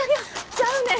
ちゃうねん。